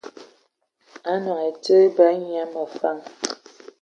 Anɔn ai tsid bya nyiŋ a məfan.